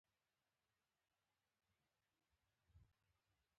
په دې صورت کې حبوبات غټېږي او د انرژۍ په مصرف کې سپما کېږي.